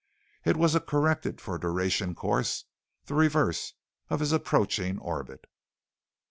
It was a corrected for duration course, the reverse of his approaching orbit.